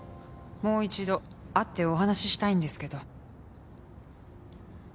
「もう一度会ってお話したいんですけど」